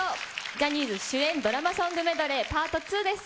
ジャニーズ主演ドラマソングメドレーパート２です。